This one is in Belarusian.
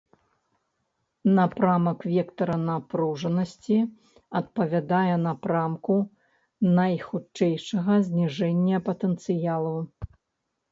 Напрамак вектара напружанасці адпавядае напрамку найхутчэйшага зніжэння патэнцыялу.